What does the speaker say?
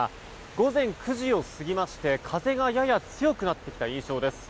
午前９時を過ぎまして、風がやや強くなってきた印象です。